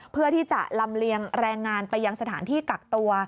เพื่อที่จะลำเลียงแรงงานไปยังสถานที่กักตัว